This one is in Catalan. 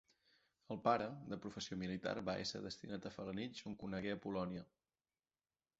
El pare, de professió militar, va ésser destinat a Felanitx on conegué Apol·lònia.